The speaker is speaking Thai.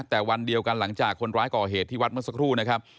แต่วันเดียวกันหลังจากคนร้ายก่อเหตุที่วัดเมื่อสักครู่นะครับ